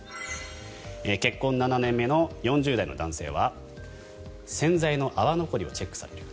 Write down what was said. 結婚７年目の４０代の男性は洗剤の泡残りをチェックされる。